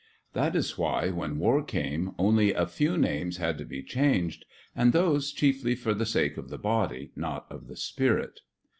That is why, when war came, only a few names had to be changed, and those chiefly for the sake of the body, not of the spirit.